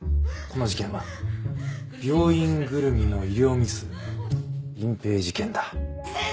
この事件は病院ぐるみの医療ミス隠蔽事件だ。